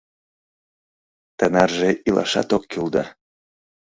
Тынарже илашат ок кӱл да...